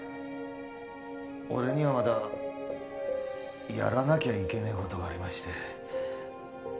俺にはまだやらなきゃいけない事がありまして。